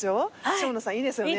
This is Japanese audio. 生野さんいいですよね。